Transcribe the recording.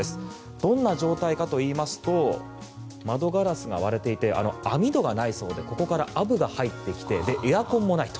どんな状態かといいますと窓ガラスが割れていて網戸がないそうでここからアブが入ってきてエアコンもないと。